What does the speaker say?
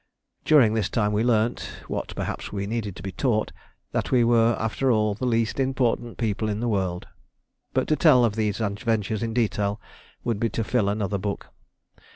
During this time we learnt what perhaps we needed to be taught that we were after all the least important people in the world. But to tell of these adventures in detail would be to fill another book.